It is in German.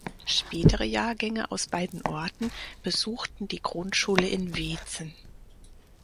Spätere Jahrgänge aus beiden Orten besuchten die Grundschule in Weetzen.